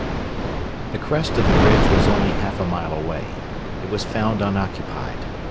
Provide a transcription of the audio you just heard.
The crest of the ridge was only half a mile away. It was found unoccupied.